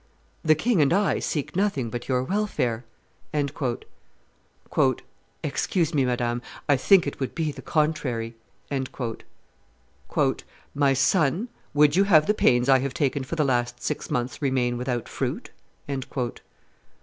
"The king and I seek nothing but your welfare." "Excuse me, madame; I think it would be the contrary." "My son, would you have the pains I have taken for the last six months remain without fruit?"